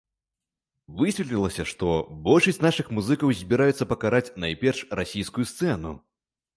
Высветлілася, што большасць нашых музыкаў збіраюцца пакараць найперш расійскую сцэну.